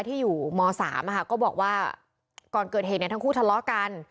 ที่อยู่ม๓ก็บอกว่าก่อนเกิดเหตุทั้งคู่ทะเลาะกัน